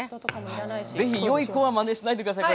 ぜひよい子はまねしないでください。